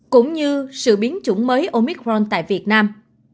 cũng như sự biến chủng mới omicron tại việt nam